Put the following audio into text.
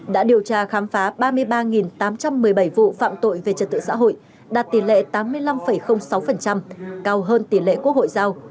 đã điều tra khám phá ba mươi ba tám trăm một mươi bảy vụ phạm tội về trật tự xã hội đạt tỷ lệ tám mươi năm sáu cao hơn tỷ lệ quốc hội giao